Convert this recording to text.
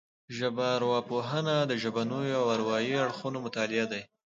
ژبارواپوهنه د ژبنيو او اروايي اړخونو مطالعه ده